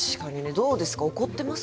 どうですか怒ってます？